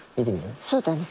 そうだね。